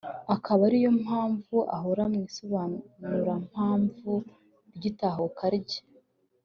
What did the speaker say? akaba ari yo mpamvu ahora mu isobanurampamvu ry’itahuka rye